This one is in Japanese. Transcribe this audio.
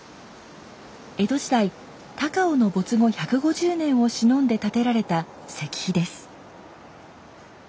江戸時代高尾の没後１５０年をしのんで建てられた石碑です。